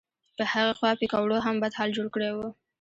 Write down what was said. په هغې خوا پیکوړو هم بد حال جوړ کړی و.